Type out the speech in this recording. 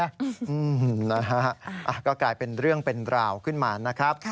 อืมนะฮะก็กลายเป็นเรื่องเป็นราวขึ้นมานะครับ